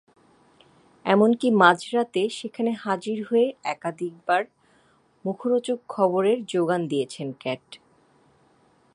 এমনকি মাঝরাতে সেখানে হাজির হয়ে একাধিকবার মুখরোচক খবরের জোগান দিয়েছেন ক্যাট।